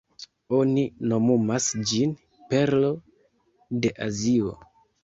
Oni nomumas ĝin "Perlo de Azio".